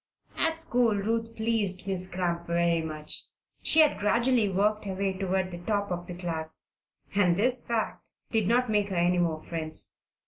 At school Ruth pleased Miss Cramp very much. She had gradually worked her way toward the top of the class and this fact did not make her any more friends.